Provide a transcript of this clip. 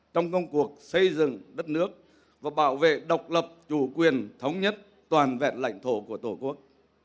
trong công cuộc xây dựng đất nước và bảo vệ độc lập chủ quyền thống nhất toàn vẹn lãnh thổ của tổ quốc